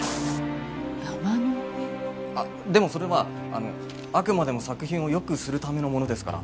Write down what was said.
でもそれはあのあくまでも作品を良くするためのものですから。